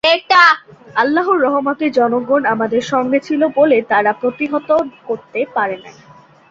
আল্লাহর রহমতে জনগণ আমাদের সঙ্গে ছিল বলে তারা প্রতিহত করতে পারে নাই।